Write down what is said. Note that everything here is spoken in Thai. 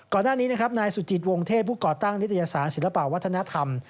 ก่อนหน้านี้นะครับนายสุจิตวงเทพผู้ก่อตั้งนิตยสารศิลปะวัฒนธรรม